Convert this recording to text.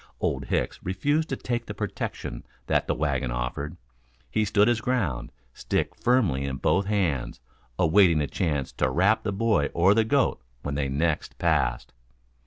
Old Hicks refused to take the protection that the wagon offered. He stood his ground, stick held firmly in both hands, awaiting a chance to rap the boy or the goat when they next passed.